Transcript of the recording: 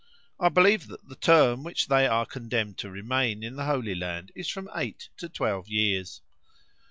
I believe that the term during which they are condemned to remain in the Holy Land is from eight to twelve years.